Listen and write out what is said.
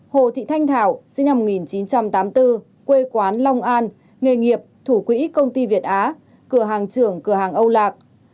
hồ thị thanh thảo sinh năm một nghìn chín trăm tám mươi bốn quê quán long an nghề nghiệp thủ quỹ công ty việt á cửa hàng trưởng cửa hàng âu lạc